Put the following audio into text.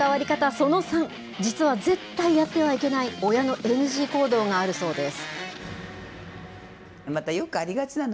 その３、実は、絶対やってはいけない親のＮＧ行動があるそうです。